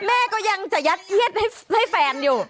แม่ก็ยังจะยัดเย็ดให้แฟนอยู่